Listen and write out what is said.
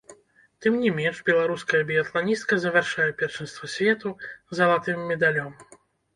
Тым не менш, беларуская біятланістка завяршае першынства свету залатым медалём.